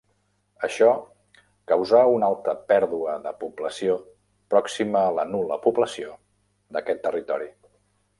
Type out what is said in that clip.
Això causà una alta pèrdua de població pròxima a la nul·la població d'aquest territori.